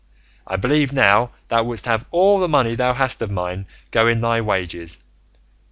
I believe now thou wouldst have all the money thou hast of mine go in thy wages.